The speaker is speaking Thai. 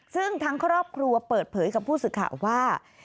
ซึ่งทั้งครอบครัวเปิดเผยกับผู้สื่อข่าวว่า